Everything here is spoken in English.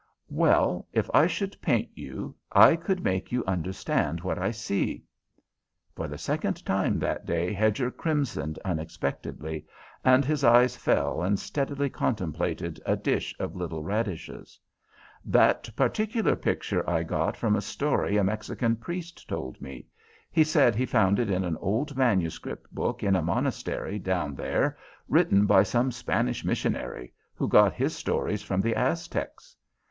"Well, if I should paint you, I could make you understand what I see." For the second time that day Hedger crimsoned unexpectedly, and his eyes fell and steadily contemplated a dish of little radishes. "That particular picture I got from a story a Mexican priest told me; he said he found it in an old manuscript book in a monastery down there, written by some Spanish Missionary, who got his stories from the Aztecs.